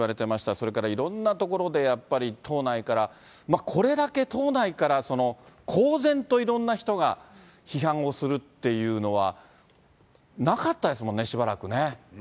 それからいろんなところでやっぱり、党内から、これだけ党内から公然といろんな人が批判をするっていうのはなかそうですね。